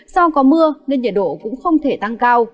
do có mưa nên nhiệt độ cũng không thể tăng cao